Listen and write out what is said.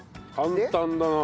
簡単だな。